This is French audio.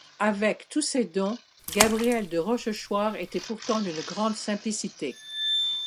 Avec tous ces dons, Gabrielle de Rochechouart était pourtant d'une grande simplicité.